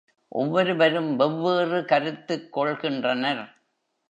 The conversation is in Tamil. ஒவ்வொருவரும் வெவ் வேறு கருத்துக் கொள்கின்றனர்.